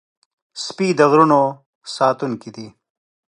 سپي د غرونو ساتونکي دي.